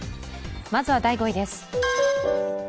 まずは第５位です。